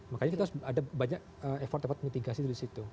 makanya kita harus banyak effort dapat mitigasi dari situ